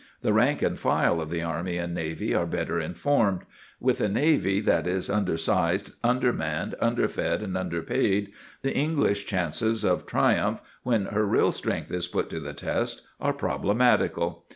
The rank and file of the army and navy are better informed. With a navy that is undersized, undermanned, underfed, and underpaid, the English chances of triumph, when her real strength is put to the test, are problematical.